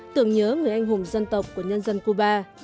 tưởng nhớ người anh hùng dân tộc của nhân dân cuba